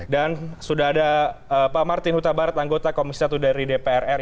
dan sudah ada pak martin huta barat anggota komisatu dari dprr